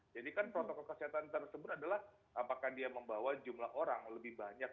jadi kan protokol kesehatan tersebut adalah apakah dia membawa jumlah orang lebih banyak